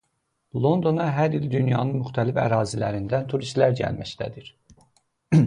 Londona hər il dünyanın müxtəlif ərazilərindən turistlər gəlməkdədir.